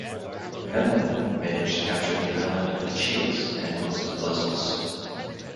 Memnon managed to capture the island of Chios and most of Lesbos.